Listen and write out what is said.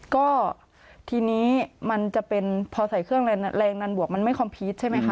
ก็ทีนี้มันจะเป็นพอใส่เครื่องแรงดันบวกมันไม่คอมพีชใช่ไหมคะ